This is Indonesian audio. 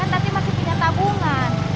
kan tati masih punya tabungan